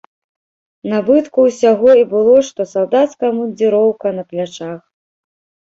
Набытку ўсяго і было што салдацкая абмундзіроўка на плячах.